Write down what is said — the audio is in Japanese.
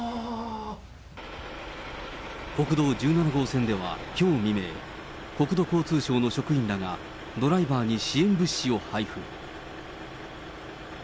国道１７号線では、きょう未明、国土交通省の職員らが、ドライバーに支援物資を配布。